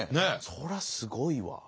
そりゃすごいわ。